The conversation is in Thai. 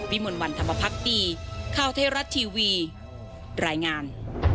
วิมวันวันธรรมพักตีข้าวเทศรัทย์ทีวีรายงาน